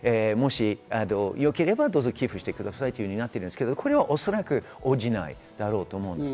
もしよければ、どうぞ寄付してくださいとなっていますが、これはおそらく応じないだろうと思います。